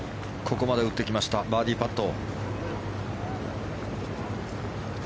ここまで打ってきましたバーディーパット。